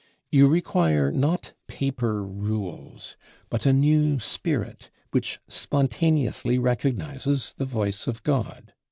You require not paper rules, but a new spirit which spontaneously recognizes the voice of God.